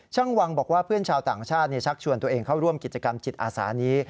วังบอกว่าเพื่อนชาวต่างชาติชักชวนตัวเองเข้าร่วมกิจกรรมจิตอาสานี้